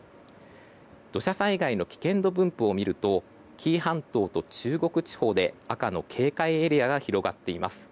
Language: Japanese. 土砂災害の危険度分布を見ると紀伊半島と中国地方で赤の警戒エリアが広がっています。